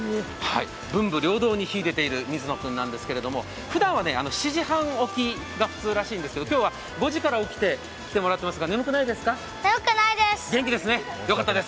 文武両道に秀でている水野君なんですけど、ふだんは７時半起きが普通らしいんですけど、今日は５時から起きてきてもらっているんですけど、眠くないですかは手眠くないです。